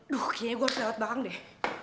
duh kayaknya gue harus lewat belakang deh